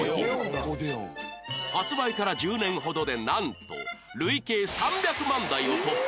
発売から１０年ほどでなんと累計３００万台を突破！